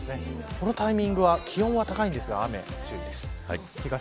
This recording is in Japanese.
このタイミングは気温は高いんですが雨に注意です。